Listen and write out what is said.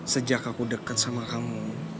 sejak aku dekat sama kamu